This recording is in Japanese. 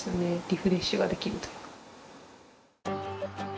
リフレッシュができるというか。